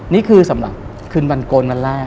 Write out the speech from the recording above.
นี่คือสำหรับคืนวันโกนวันแรก